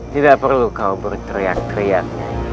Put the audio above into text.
tidak perlu kau berteriak teriak